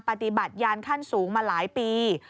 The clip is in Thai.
ปฏิบัติยานขั้นสูงมาหลายปี